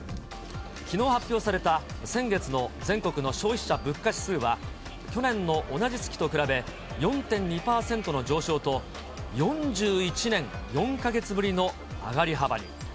きのう発表された先月の全国の消費者物価指数は去年の同じ月と比べ、４．２％の上昇と、４１年４か月ぶりの上がり幅に。